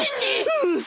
うん！